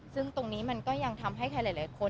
ซึ่งตรงนี้มันก็ยังทำให้ใครหลายคน